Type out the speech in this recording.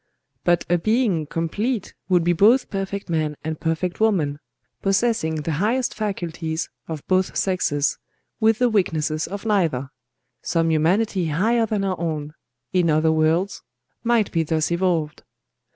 But a being complete would be both perfect man and perfect woman, possessing the highest faculties of both sexes, with the weaknesses of neither. Some humanity higher than our own,—in other worlds,—might be thus evolved."